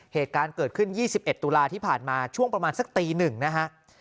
เหตุการณ์เกิดขึ้น๒๑ตุลาที่ผ่านมาช่วงประมาณสักตี๑นะฮะ